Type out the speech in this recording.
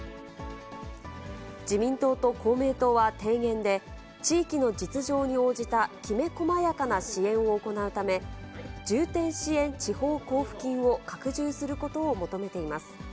自民党と公明党は提言で、地域の実情に応じたきめこまやかな支援を行うため、重点支援地方交付金を拡充することを求めています。